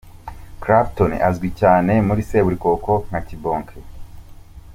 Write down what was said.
Clapton azwi cyane muri Seburikoko nka Kibonke.